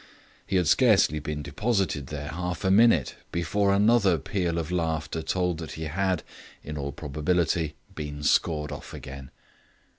He had scarcely been deposited there half a minute before another peal of laughter told that he had (in all probability) been scored off again.